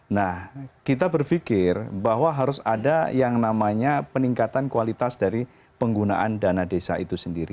nah kita berpikir bahwa harus ada yang namanya peningkatan kualitas dari penggunaan dana desa itu sendiri